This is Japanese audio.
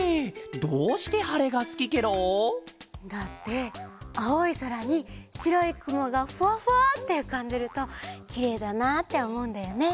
どうしてはれがすきケロ？だってあおいそらにしろいくもがフワフワッてうかんでるときれいだなっておもうんだよね。